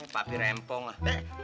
papi rempong lah